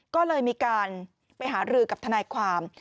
ก็เลยมีการไปหารือกับทนายความ